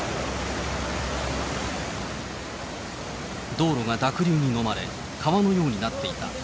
道路が濁流に飲まれ、川のようになっていた。